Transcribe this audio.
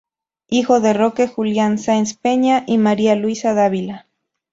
Hijo de Roque Julián Sáenz Peña y María Luisa Dávila.